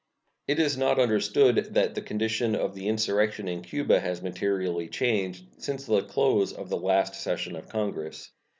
It is not understood that the condition of the insurrection in Cuba has materially changed since the close of the last session of Congress.